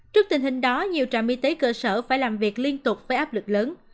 trước tình hình đó nhiều trạm y tế cơ sở phải làm việc liên tục với áp lực lớn